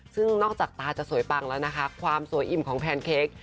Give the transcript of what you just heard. ซึ่งนอกจากตาจะสวยปังแล้วนะคะความสวยอิ่มของแพนเค้ก